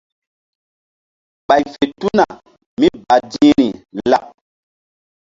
Ɓay fe tuna mí badi̧hri laɓ.